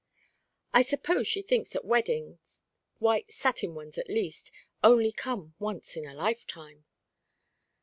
"I suppose she thinks that weddings, white satin ones, at least, only come once in a lifetime."